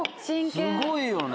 すごいよね。